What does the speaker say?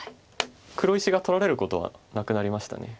黒石が取られることはなくなりました。